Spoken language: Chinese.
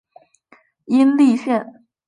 殷栗线